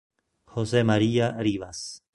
José María Rivas